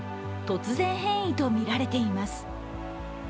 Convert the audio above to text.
突然変異とみられています。